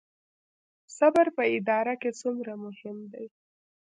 صبر په اداره کې څومره مهم دی؟